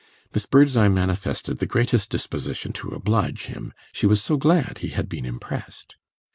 Miss Birdseye manifested the greatest disposition to oblige him; she was so glad he had been impressed.